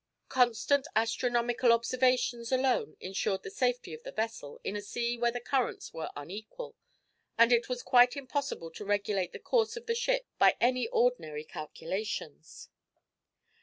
Constant astronomical observations alone ensured the safety of the vessel in a sea where the currents were unequal, and it was quite impossible to regulate the course of the ship by any ordinary calculations.